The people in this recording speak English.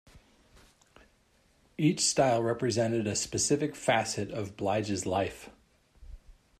Each style represented a specific facet of Blige's life.